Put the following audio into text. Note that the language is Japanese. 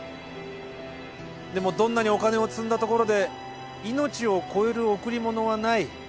でもどんなにお金を積んだところで命を超える贈り物はない。